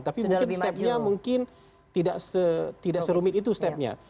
tapi mungkin stepnya mungkin tidak serumit itu stepnya